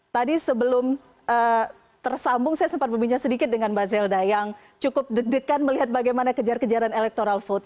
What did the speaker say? tadi sebelum tersambung saya sempat berbincang sedikit dengan mbak zelda yang cukup deg degan melihat bagaimana kejar kejaran electoral vote